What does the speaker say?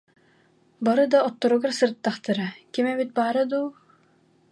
Бары да отторугар сырыттахтара, ким эмит баара дуу